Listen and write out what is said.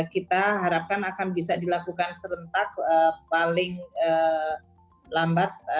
kita harapkan akan bisa dilakukan serentak paling lambat